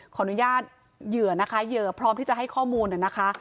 ขออนุญาตเหยื่อนะคะเหยื่อพร้อมที่จะให้ข้อมูลนะคะ